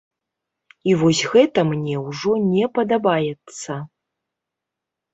І вось гэта мне ўжо не падабаецца.